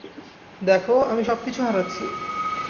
দেখ, আমি সব কিছু হারাচ্ছি।